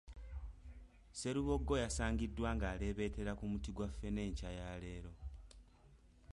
Sserubogo yasangiddwa ng'aleebetera ku muti gwa ffene enkya ya leero.